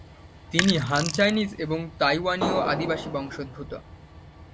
তিনি Han Chinese এবং তাইওয়ানীয় আদিবাসী বংশোদ্ভূত।